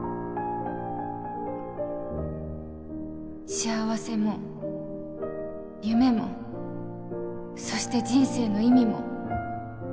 幸せも夢もそして人生の意味も。